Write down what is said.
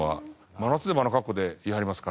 真夏でもあの格好でいはりますから。